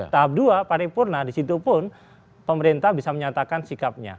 tahap dua paripurna di situ pun pemerintah bisa menyatakan sikapnya